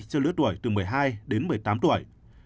cho lứa tuổi từ một mươi hai đến một mươi tám tuổi